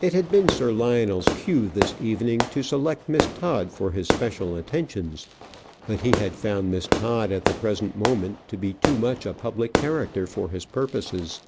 It had been Sir Lionel's cue this evening to select Miss Todd for his special attentions; but he had found Miss Todd at the present moment to be too much a public character for his purposes.